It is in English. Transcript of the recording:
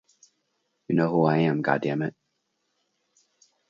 You know who I am, God damn it!